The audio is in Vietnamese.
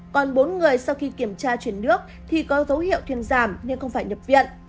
còn bốn người sau khi kiểm tra chuyển nước thì có dấu hiệu thuyền giảm nên không phải nhập viện